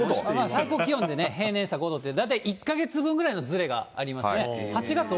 最高気温でね、平年差５度って、大体１か月分ぐらいのずれがありますね。